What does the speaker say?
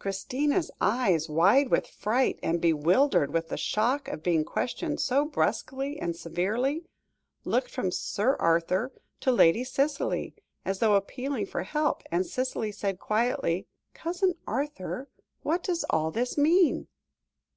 Christina's eyes, wide with fright, and bewildered with the shock of being questioned so brusquely and severely, looked from Sir Arthur to Lady Cicely, as though appealing for help, and Cicely said quietly "Cousin Arthur what does all this mean?"